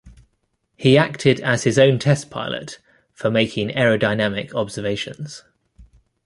He acted as his own test pilot for making aerodynamic observations.